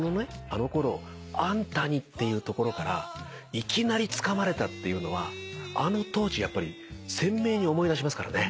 あのころ「あんたに」っていうところからいきなりつかまれたっていうのはあの当時やっぱり鮮明に思い出しますからね。